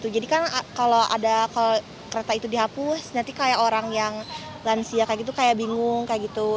jadi kan kalau kereta itu dihapus nanti kayak orang yang lansia kayak gitu kayak bingung kayak gitu